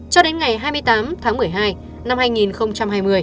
cho đến ngày hai mươi tám tháng một mươi hai năm hai nghìn hai mươi